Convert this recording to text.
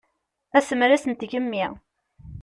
Asemres n tgemmi.